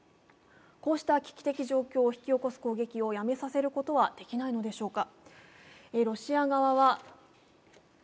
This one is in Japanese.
こうした危機的状況を引き起こす攻撃をやめさせることはできないのでしょうか。